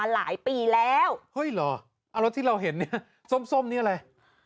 เฮ้ยหรออันที่เราเห็นเนี่ยส้มนี่อะไร